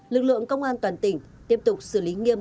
lực lượng công an toàn tỉnh tiếp tục xử lý nghiêm